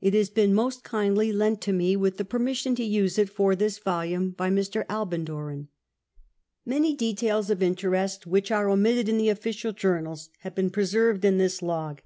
It has been most kindly lent to me, with permission to use it for this volume, by Mr. Alban Doran. Many details of interest which are omitted in the official journals have been pre served in this log.